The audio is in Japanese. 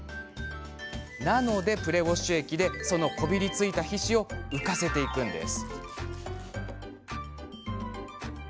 なのでプレウォッシュ液でそのこびりついた皮脂を浮かせていくんです。